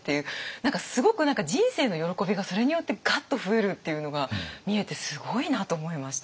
何かすごく人生の喜びがそれによってガッと増えるっていうのが見えてすごいなと思いました。